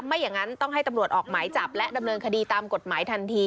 ไม่อย่างนั้นต้องให้ตำรวจออกหมายจับและดำเนินคดีตามกฎหมายทันที